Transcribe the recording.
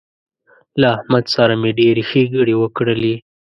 له احمد سره مې ډېرې ښېګڼې وکړلې